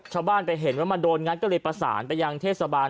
ชาวบ้านไปเห็นว่ามันโดนงัดก็เลยประสานไปยังเทศบาล